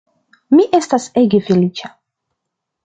Mi estas ege feliĉa!